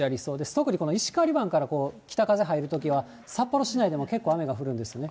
特にこの石狩湾から北風入るときは、札幌市内でも結構雨が降るんですよね。